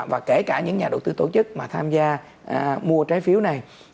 và kể cả những nhà đầu tư tổ chức mà tham gia mua trái phiếu này